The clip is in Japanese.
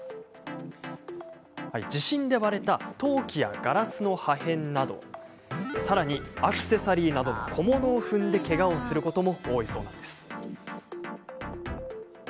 地震で割れた陶器やガラスの破片などさらにアクセサリーなどの小物を踏んで、けがすることも多いそうです。